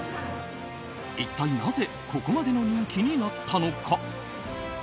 一体なぜここまでの人気になったのか。